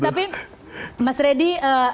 baik tapi mas reddy